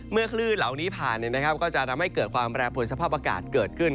เมื่อคลื่นเหล่านี้ผ่านนะครับก็จะทำให้เกิดความแบรนด์ผลสภาพอากาศเกิดขึ้น